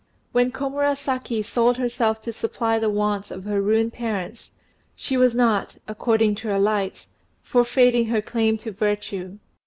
When Komurasaki sold herself to supply the wants of her ruined parents, she was not, according to her lights, forfeiting her claim to virtue.